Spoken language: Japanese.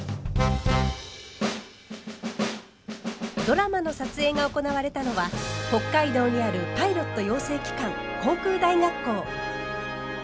ドラマの撮影が行われたのは北海道にあるパイロット養成機関航空大学校。